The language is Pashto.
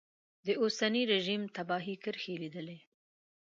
د اوسني رژیم تباهي کرښې لیدلې.